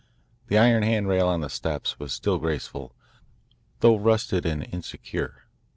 The iron handrail on the steps was still graceful, though rusted and insecure.